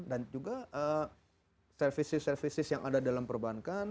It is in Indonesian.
dan juga services services yang ada dalam perbankan